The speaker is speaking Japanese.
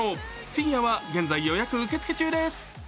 フィギュアは現在予約受付中です。